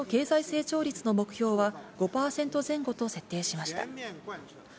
また今年の経済成長率の目標は５％前後と設定しました。